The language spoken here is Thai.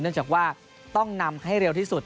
จากว่าต้องนำให้เร็วที่สุด